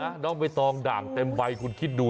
น้องใบตองด่างเต็มใบคุณคิดดู